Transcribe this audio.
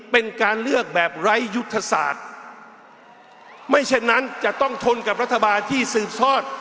เป็นการเลือกแบบไร้ยุทธศาสตร์ไม่เช่นนั้นจะต้องทนกับรัฐบาลที่สืบทอด